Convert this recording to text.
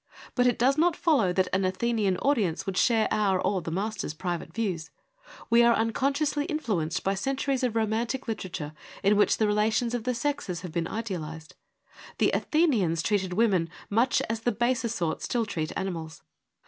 But it does not follow that an Athenian audience would share our or the master's private views. We are unconsciously influenced by centuries of romantic literature in which the relations of the sexes have been idealised. The Athenians treated women much as the baser sort still treat animals.